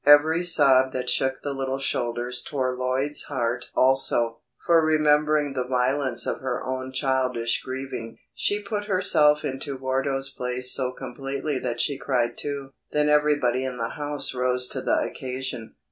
Every sob that shook the little shoulders tore Lloyd's heart also, for remembering the violence of her own childish grieving, she put herself into Wardo's place so completely that she cried too. Then everybody in the house rose to the occasion.